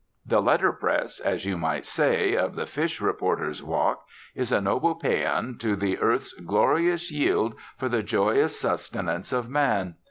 The letter press, as you might say, of the fish reporter's walk is a noble paean to the earth's glorious yield for the joyous sustenance of man.